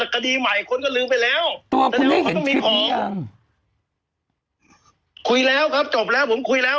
หรอกนะเขาสลบสำนวนแล้วก็ส่งรยการแล้วก็เสร็จแล้ว